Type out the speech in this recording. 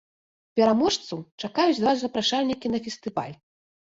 Пераможцу чакаюць два запрашальнікі на фестываль!